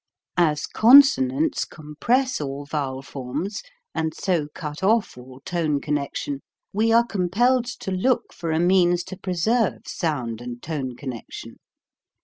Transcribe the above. As consonants compress all vowel forms and so cut off all tone connection, we are com pelled to look for a means to preserve sound and tone connection.